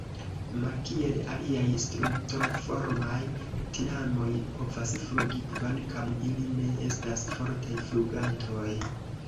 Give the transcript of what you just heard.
Malkiel aliaj Strutoformaj, tinamoj povas flugi, kvankam ili ne estas fortaj flugantoj.